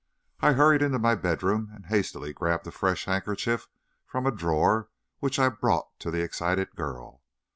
I hurried into my bedroom and hastily grabbed a fresh handkerchief from a drawer, which I brought to the excited girl.